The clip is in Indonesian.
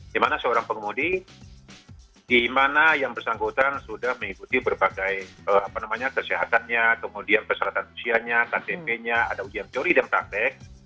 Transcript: di mana seorang pengemudi di mana yang bersangkutan sudah mengikuti berbagai kesehatannya kemudian persyaratan usianya ktp nya ada ujian teori dan praktek